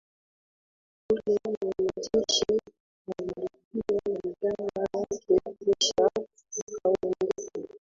yule mwanajeshi alilipia bidhaa yake kisha akaondoka